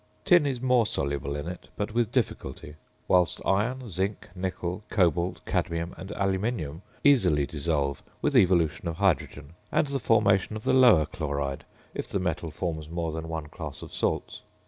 Tin is more soluble in it, but with difficulty; whilst iron, zinc, nickel, cobalt, cadmium, and aluminium easily dissolve with evolution of hydrogen and the formation of the lower chloride if the metal forms more than one class of salts.